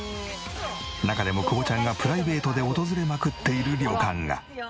中でも久保ちゃんがプライベートで訪れまくっている旅館が。